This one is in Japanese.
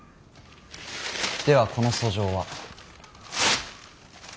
ではこの訴状は。